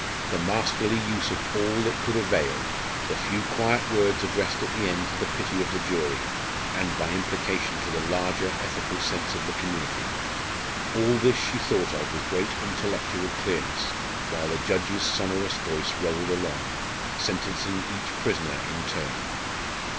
the masterly use of all that could avail, the few quiet words addressed at the end to the pity of the jury, and by implication to the larger ethical sense of the community, all this she thought of with great intellectual clearness while the judge's sonorous voice rolled along, sentencing each prisoner in turn.